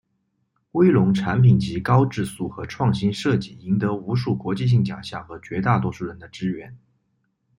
威龙产品籍高质素和创新设计赢得无数国际性奖项和绝大多数人的支援。